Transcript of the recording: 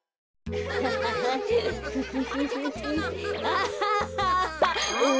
アハハハ！